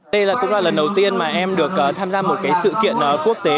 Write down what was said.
đây cũng là lần đầu tiên mà em được tham gia một sự kiện quốc tế